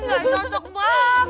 nggak cocok banget